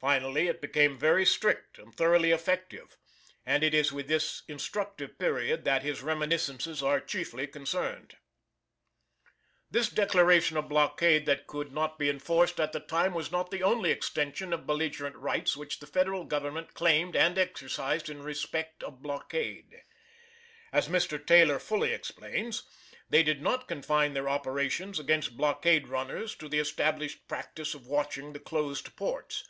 Finally it became very strict and thoroughly effective, and it is with this instructive period that his reminiscences are chiefly concerned. This declaration of a blockade that could not be enforced at the time was not the only extension of belligerent rights which the Federal Government claimed and exercised in respect of blockade. As Mr. Taylor fully explains, they did not confine their operations against blockade runners to the established practice of watching the closed ports.